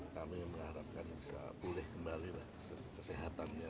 kami mengharapkan bisa pulih kembali lah kesehatannya